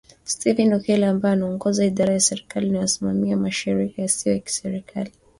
Stephen Okello ambaye anaongoza idara ya serikali inayosimamia mashirika yasiyo ya kiserikali